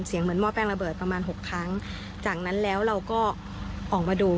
เหมือนหม้อแป้ระเบิดประมาณหกครั้งจากนั้นแล้วเราก็ออกมาดู